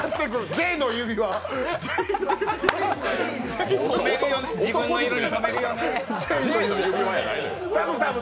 Ｊの指輪やないねん。